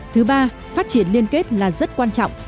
thứ ba phát triển liên kết là rất quan trọng